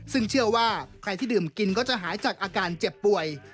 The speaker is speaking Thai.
ซึ่งเชื่อว่าใครที่ดื่มกินก็จะหายจากอาการเจ็บป่วย